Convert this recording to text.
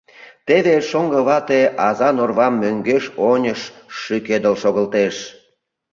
Теве шоҥго вате азан орвам мӧҥгеш-оньыш шӱкедыл шогылтеш.